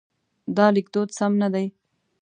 دا لیکدود سم نه دی.